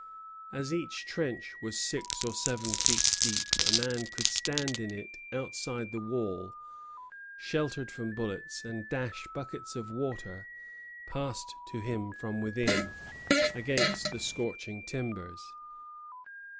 As each trench was six or seven feet deep, a man could stand in it outside the wall, sheltered from bullets, and dash buckets of water, passed to him from within, against the scorching timbers.